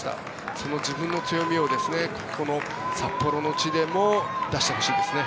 その自分の強みをここの札幌の地でも出してほしいですね。